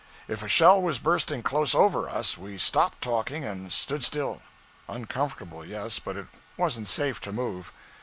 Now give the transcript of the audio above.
If a shell was bursting close over us, we stopped talking and stood still; uncomfortable, yes, but it wasn't safe to move.